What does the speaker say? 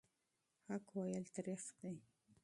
حق ویل تریخ دي.